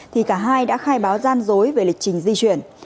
thì cả hai đã khai báo gian dối về lịch trình di chuyển